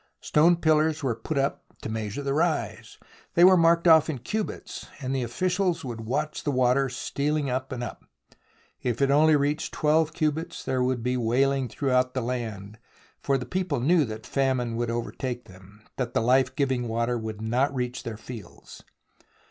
Stone pillars were put up to measure the rise. They were marked off in cubits, and the officials would watch the water stealing up and up. If it only reached 12 cubits there would be wailing throughout the land, for the people knew that famine would overtake them, that the life giving water would not reach their fields.